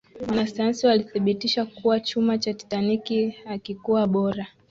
wanasayansi walithibitisha kuwa chuma cha titanic hakikuwa bora